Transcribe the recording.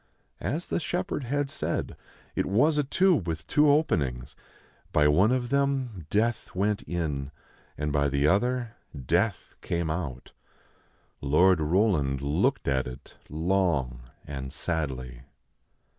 As the shepherd had said, it was a tube with two openings. By one of them death went in, and by the other death came out. Lord Roland looked at it long and sadly.